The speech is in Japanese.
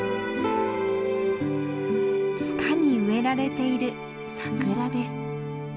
塚に植えられているサクラです。